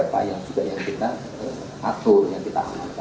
ada beberapa yang juga yang kita atur yang kita amalkan